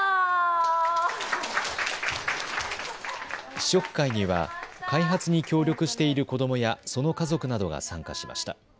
試食会には開発に協力している子どもやその家族などが参加しました。